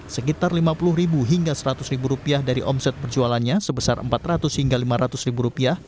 sekitar rp lima puluh hingga rp seratus dari omset berjualannya sebesar rp empat ratus hingga rp lima ratus